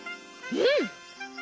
うん！